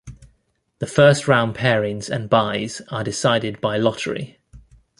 The first round pairings and byes are decided by lottery.